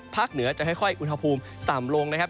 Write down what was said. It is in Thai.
เหนือจะค่อยอุณหภูมิต่ำลงนะครับ